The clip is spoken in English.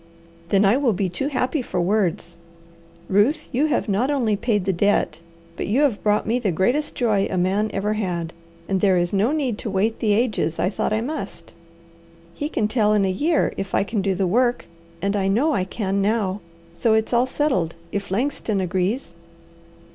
"Then I will be too happy for words. Ruth, you have not only paid the debt, but you have brought me the greatest joy a man ever had. And there is no need to wait the ages I thought I must. He can tell in a year if I can do the work, and I know I can now; so it's all settled, if Langston agrees."